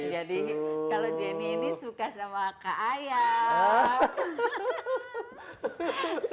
jadi kalau jenny ini suka sama kakak ayam